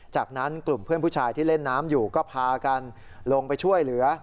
จากนั้นกลุ่มเพื่อนผู้ชายที่เล่นน้ำอยู่ก็พากันลงไปช่วยเหลือ